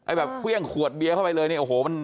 แบบเครื่องขวดเบียร์เข้าไปเลยเนี่ยโอ้โหมัน